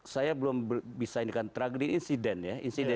saya belum bisa indikan tragedi insiden ya